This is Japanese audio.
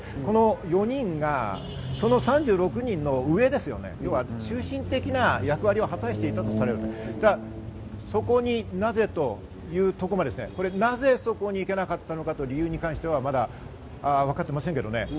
４人がその３６人の上ですよね、中心的な役割を果たしていたとされるそこになぜ？というところまで、なぜそこに行けなかったのかという理由に関しては、まだ分かっていませんけどね。